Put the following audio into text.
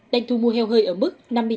đang thu mua heo hơi ở mức